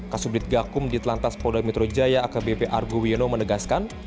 kasudit gakum di telantas polda metro jaya akbp argo wiono menegaskan